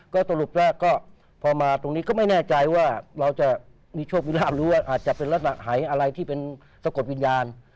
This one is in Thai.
ก็สรุปแรกก็พอมาตรงนี้ก็ไม่แน่ใจว่าเราจะมีโชคมีราบหรือว่าอาจจะเป็นลักษณะหายอะไรที่เป็นสะกดวิญญาณ